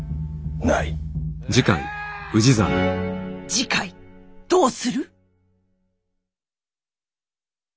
次回どうする？